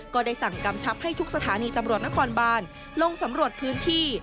ก็ได้สั่งกำชับให้ทุกสถานีตำรวจนครบานลงสำรวจพื้นที่